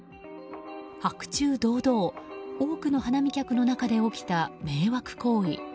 白昼堂々、多くの花見客の中で起きた迷惑行為。